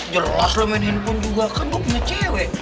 jelas udah main handphone juga kan gue punya cewek